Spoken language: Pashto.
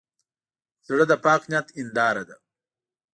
زړه د پاک نیت هنداره ده.